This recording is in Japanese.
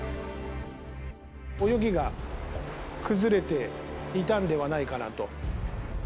泳ぎが崩れていたんではないかなと。